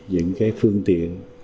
những cái phương tiện